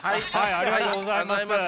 ありがとうございます。